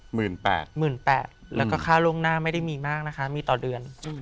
หมื่นแปดแล้วก็ค่าล่วงหน้าไม่ได้มีมากนะคะมีต่อเดือนอืม